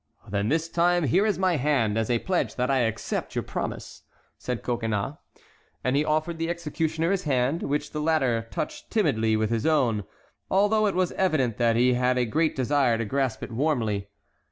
"Then, this time here is my hand, as a pledge that I accept your promise," said Coconnas. And he offered the executioner his hand, which the latter touched timidly with his own, although it was evident that he had a great desire to grasp it warmly.